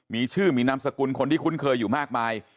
มีชื่อมีนามสกุลคนที่คุ้นเคยอยู่มากมาย